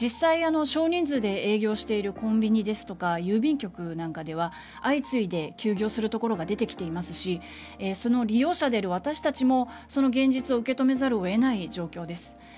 実際、少人数で営業しているコンビニですとか郵便局なんかでは相次いで休業するところが出てきていますしその利用者である私たちもその現実を受け止めざるを得ない状況です。